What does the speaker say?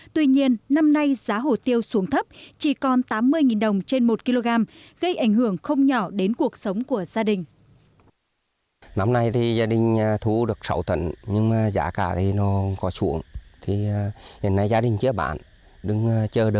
tuy nhiên năm nay giá hổ tiêu xuống thấp chỉ còn tám mươi đồng trên một kg gây ảnh hưởng không nhỏ đến cuộc sống của gia đình